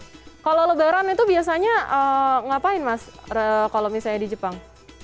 kalau lebaran itu biasanya ngapain mas kalau misalnya di jepang